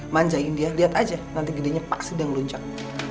manjain dia liat aja nanti gedenya pasti udah ngeluncang